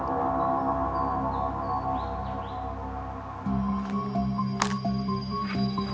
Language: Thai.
เฮ้ย